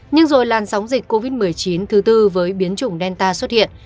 nhưng rồi làn sóng dịch covid một mươi chín thứ tư với biến chủng delta xuất hiện